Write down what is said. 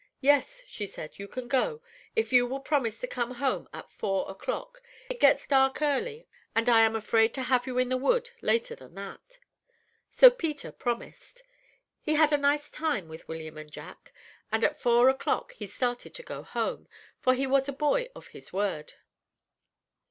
"'Yes,' she said, 'you can go, if you will promise to come home at four o'clock. It gets dark early, and I am afraid to have you in the wood later than that.' "So Peter promised. He had a nice time with William and Jack, and at four o'clock he started to go home; for he was a boy of his word.